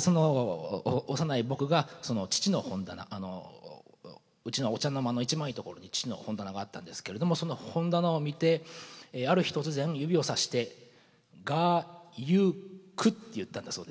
その幼い僕が父の本棚うちのお茶の間の一番いい所に父の本棚があったんですけれどもその本棚を見てある日突然指をさして「がゆく」って言ったんだそうです。